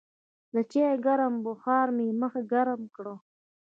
د چای ګرم بخار مې مخ ګرم کړ.